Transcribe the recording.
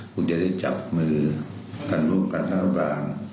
คงจะได้จับมือกันร่วมกันทั้งระหว่าง